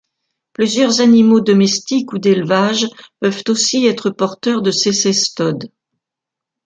Plusieurs animaux domestiques ou d'élevages peuvent aussi être porteurs de ces cestodes.